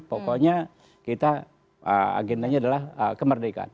pokoknya kita agendanya adalah kemerdekaan